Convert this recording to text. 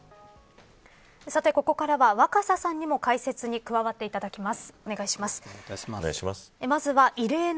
ここからは若狭さんにも解説に加わっていただきます。